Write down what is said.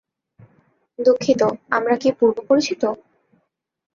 দুঃখিত, আমরা কি পূর্ব পরিচিত?